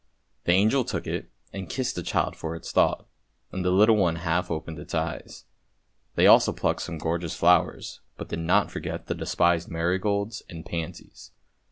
The angel took it and kissed the child for its thought, and the little one half opened its eyes. They also plucked some gorgeous flowers, but did not forget the despised marigolds and pansies.